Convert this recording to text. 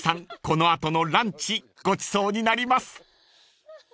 この後のランチごちそうになります］